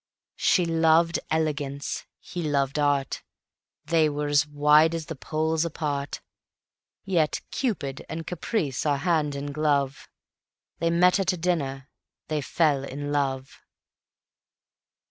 She loved elegance, he loved art; They were as wide as the poles apart: Yet Cupid and Caprice are hand and glove They met at a dinner, they fell in love.